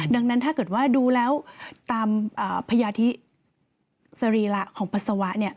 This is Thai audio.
ดังนั้นถ้าเกิดว่าดูแล้วตามพยาธิสรีระของปัสสาวะ